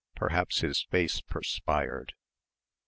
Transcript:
Perhaps his face perspired